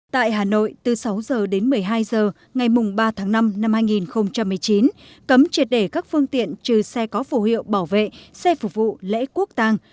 tại hà nội từ sáu h đến một mươi hai h ngày ba tháng năm năm hai nghìn một mươi chín cấm triệt để các phương tiện trừ xe có phổ hiệu bảo vệ xe phục vụ lễ quốc tàng